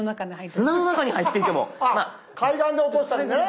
砂の中に入っていても⁉あっ海岸で落としたりね。